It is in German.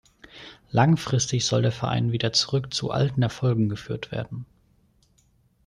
Langfristig soll der Verein wieder zurück zu alten Erfolgen geführt werden.